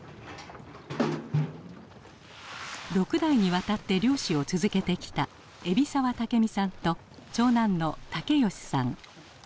６代にわたって漁師を続けてきた海老澤武美さんと長男の則義さん。